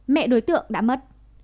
mẹ đối tượng đã mất